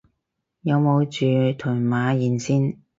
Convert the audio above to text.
有冇人住屯馬沿線